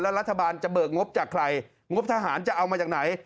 รัฐบาลจะเบิกงบจากใครงบทหารจะเอามาจากไหน